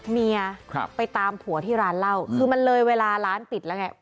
เมียครับไปตามผัวที่ร้านเหล้าคือมันเลยเวลาร้านปิดแล้วไง